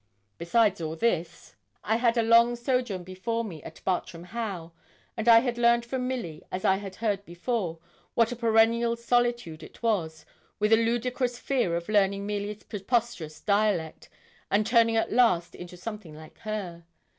Besides all this, I had a long sojourn before me at Bartram Haugh, and I had learned from Milly, as I had heard before, what a perennial solitude it was, with a ludicrous fear of learning Milly's preposterous dialect, and turning at last into something like her.